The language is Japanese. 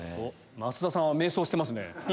増田さんは迷走してますね。